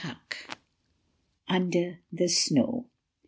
19$ UNDER THE SNOW.